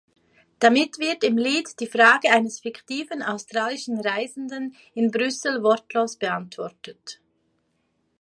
Damit wird im Lied die Frage eines fiktiven australischen Reisenden in Brüssel wortlos beantwortet.